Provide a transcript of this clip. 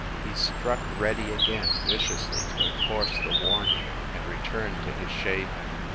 He struck "Reddy" again viciously to enforce the warning, and returned to his shaving.